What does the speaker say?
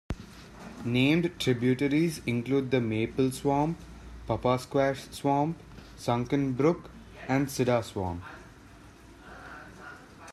Named tributaries include the Maple Swamp, Poppasquash Swamp, Sunken Brook and Cedar Swamp.